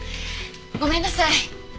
ごめんなさい。